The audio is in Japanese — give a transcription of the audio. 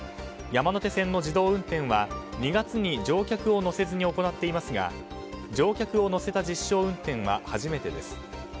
山手線の自動運転は２月に乗客を乗せずに行っていますが乗客を乗せた実証運転は初めてです。